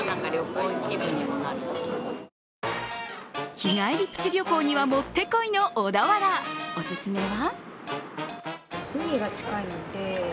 日帰りプチ旅行にはもってこいの小田原、オススメは？